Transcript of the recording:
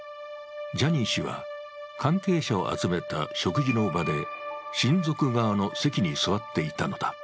ジャニー氏は関係者を集めた食事の場で、親族側の席に座っていたのだ。